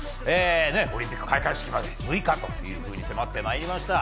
オリンピック開会式まで６日と迫ってまいりました。